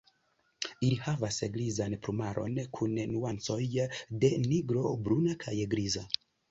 Ili havas grizan plumaron kun nuancoj de nigro, bruna kaj griza.